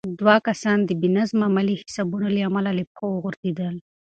دوه کسان د بې نظمه مالي حسابونو له امله له پښو وغورځېدل.